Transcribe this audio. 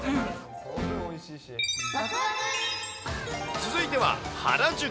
続いては、原宿。